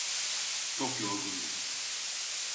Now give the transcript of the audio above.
Çok yorgundum.